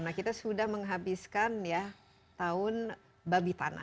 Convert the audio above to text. nah kita sudah menghabiskan ya tahun babi tanah